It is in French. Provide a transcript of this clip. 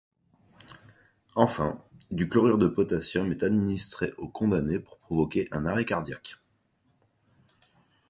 Enfin, du chlorure de potassium est administré au condamné pour provoquer un arrêt cardiaque.